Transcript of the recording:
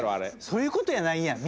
そういうことやないやん。